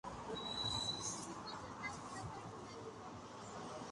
Poco se sabe de la estancia de Barbieri en Buenos Aires.